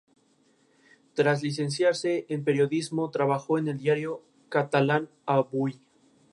Sus buenas actuaciones hicieron que sea convocado a la Selección Peruana de Fútbol.